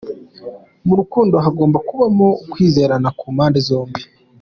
Mu rukundo hagomba kubamo ukwizerana ku mpande zombi.